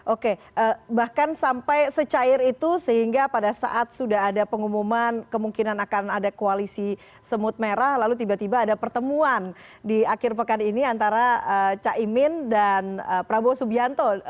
oke bahkan sampai secair itu sehingga pada saat sudah ada pengumuman kemungkinan akan ada koalisi semut merah lalu tiba tiba ada pertemuan di akhir pekan ini antara caimin dan prabowo subianto